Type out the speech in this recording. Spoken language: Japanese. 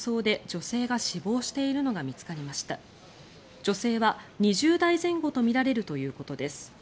女性は２０代前後とみられるということです。